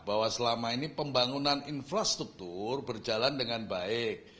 bahwa selama ini pembangunan infrastruktur berjalan dengan baik